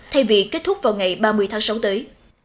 thay vì kết thúc vào ngày ba mươi tháng sáu tới